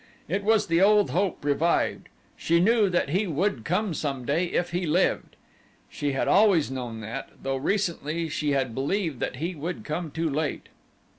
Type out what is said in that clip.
It was the old hope revived. She knew that he would come some day, if he lived. She had always known that, though recently she had believed that he would come too late.